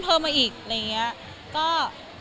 อเรนนี่เติม